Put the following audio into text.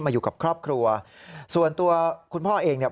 อยู่กับครอบครัวส่วนตัวคุณพ่อเองเนี่ย